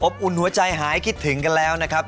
อุ่นหัวใจหายคิดถึงกันแล้วนะครับ